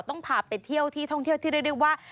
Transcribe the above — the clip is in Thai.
ต้องพาไปเที่ยวที่ท่องเที่ยวที่เรียกได้ว่า